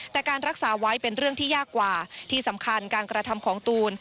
แต่การรักษาไว้เป็นเรื่องที่ยากกว่าที่สำคัญการกระทำของตูน